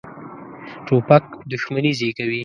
توپک دښمني زېږوي.